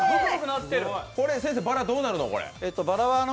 これ、先生、バラどうなるの？